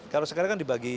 kalau sekarang kan dibagi